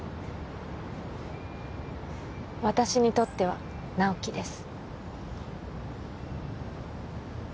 私にとっては直木です